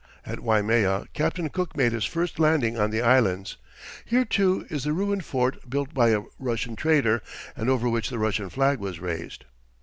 At Waimea Captain Cook made his first landing on the Islands. Here, too, is the ruined fort built by a Russian trader, and over which the Russian flag was raised.